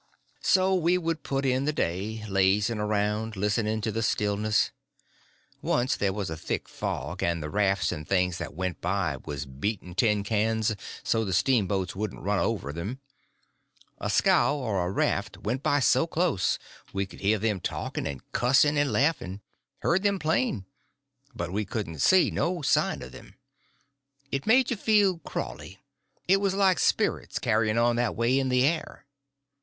So we would put in the day, lazying around, listening to the stillness. Once there was a thick fog, and the rafts and things that went by was beating tin pans so the steamboats wouldn't run over them. A scow or a raft went by so close we could hear them talking and cussing and laughing—heard them plain; but we couldn't see no sign of them; it made you feel crawly; it was like spirits carrying on that way in the air.